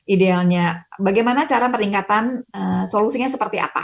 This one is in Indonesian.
idealnya bagaimana cara peningkatan solusinya seperti apa